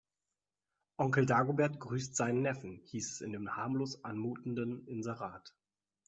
Onkel Dagobert grüßt seinen Neffen, hieß es in dem harmlos anmutenden Inserat.